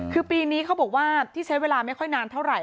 คือปีนี้เขาบอกว่าที่ใช้เวลาไม่ค่อยนานเท่าไหร